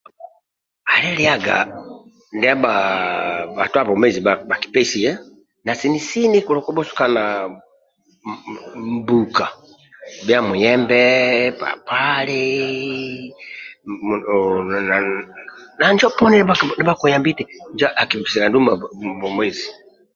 kaheliyaga ndiba batwa bwomezi bakipesiya na sini sini kolokubusukana mbuka bya muyembe papali na injo poni ndya bagugiti apesiyaga bwomezi